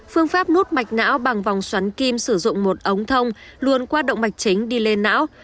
phương pháp nút mạch não bằng vòng xoắn kim sử dụng một ống thông luôn qua động mạch chính đi lên não